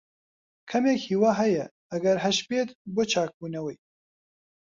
کەمێک ھیوا ھەیە، ئەگەر ھەشبێت، بۆ چاکبوونەوەی.